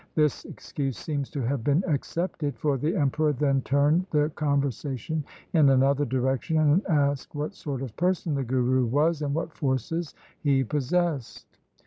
This excuse seems to have been accepted, for the Emperor then turned the conversation in another direction, and asked what sort of person the Guru was, and what forces he possessed.